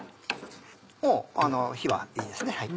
もう火はいいですね。